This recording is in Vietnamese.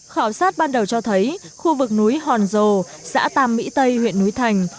khảo sát ban đầu cho thấy khu vực núi hòn rồ xã tam mỹ tây huyện núi thành